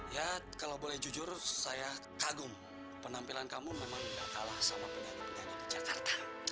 ya kalau boleh jujur saya kagum penampilan kamu memang gak kalah sama penyanyi penyanyi di jakarta